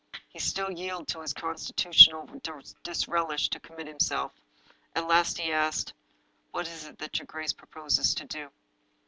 He still yielded to his constitu tional disrelish to commit himself. At last he asked :" What is it that your grace proposes to do